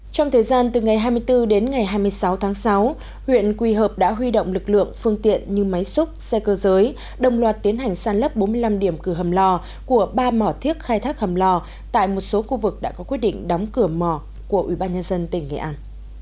trong thời gian từ ngày hai mươi bốn đến ngày hai mươi sáu tháng sáu huyện quỳ hợp đã huy động lực lượng phương tiện như máy xúc xe cơ giới đồng loạt tiến hành sàn lấp bốn mươi năm điểm cửa hầm lò của ba mỏ thiết khai thác hầm lò tại một số khu vực đã có quyết định đóng cửa mỏ của ubnd tỉnh nghệ an